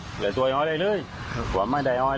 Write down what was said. เงินตัวออกได้เลยและไม่ได้ออกเลย